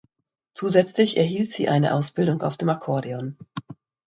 Zusätzlich erhielt sie eine Ausbildung auf dem Akkordeon.